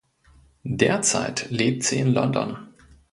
Derzeit lebt sie in London.